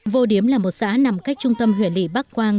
vô điếm là một xã nằm cách trung tâm huyện lị bắc quang